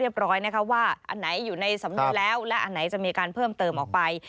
เพิ่มเติมออกไป